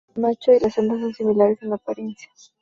Macho y las hembra son similares en apariencia.